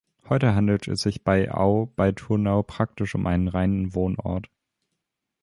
Heute handelt es sich bei Au bei Turnau praktisch um einen reinen Wohnort.